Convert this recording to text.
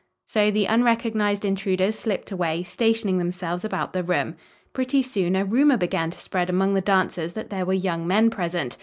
So the unrecognized intruders slipped away, stationing themselves about the room. Pretty soon a rumor began to spread among the dancers that there were young men present.